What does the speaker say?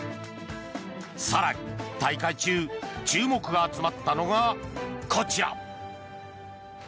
更に大会中注目が集まったのがこちら。